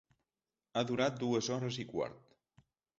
Ha durat dues hores i quart.